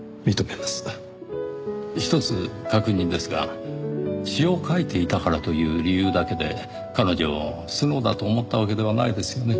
ひとつ確認ですが詩を書いていたからという理由だけで彼女をスノウだと思ったわけではないですよね？